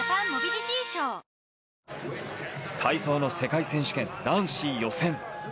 体操の世界選手権、男子予選。